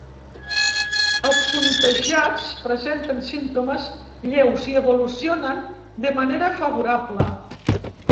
Els contagiats presenten símptomes lleus i evolucionen de manera favorable.